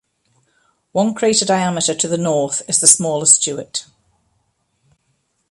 One crater diameter to the north is the smaller Stewart.